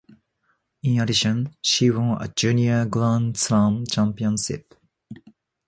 In addition, she won a junior Grand Slam championship.